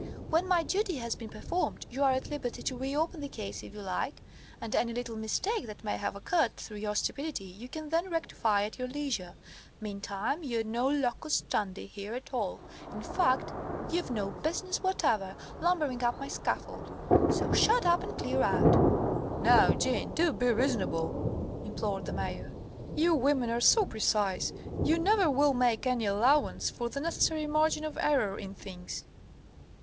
When my duty has been performed, you are at liberty to reopen the case if you like; and any 'little mistake' that may have occurred through your stupidity you can then rectify at your leisure. Meantime, you've no locus standi here at all; in fact, you've no business whatever lumbering up my scaffold. So shut up and clear out." "Now, Jeanne, do be reasonable," implored the Mayor. "You women are so precise. You never will make any allowance for the necessary margin of error in things."